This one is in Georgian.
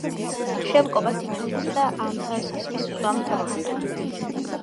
შემკობად თინათინისა ამ სასმისს ვსვამ თამამადა,